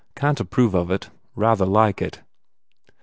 Can t approve of it. Rather like it."